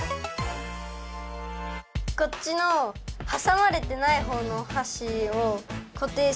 こっちのはさまれてないほうのおはしをこていするのがむずかしかった。